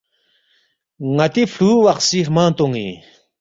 ناتی فلووخسی ہرمنگ تونی